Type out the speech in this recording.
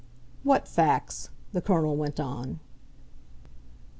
"What facts?" the Colonel went on.